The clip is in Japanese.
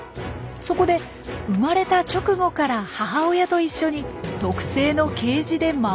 そこで生まれた直後から母親と一緒に特製のケージで守ろうというんです。